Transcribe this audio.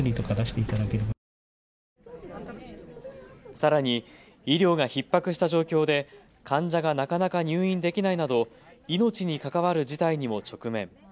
さらに、医療がひっ迫した状況で患者がなかなか入院できないなど命に関わる事態にも直面。